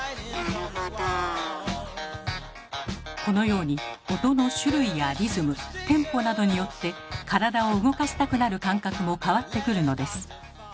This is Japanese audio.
このように音の種類やリズムテンポなどによって体を動かしたくなる感覚も変わってくるのです。